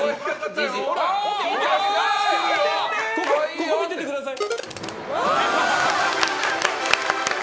ここ見ててください。